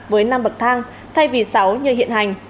với năm bậc thang thay vì sáu như hiện hành